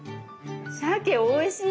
しゃけおいしい！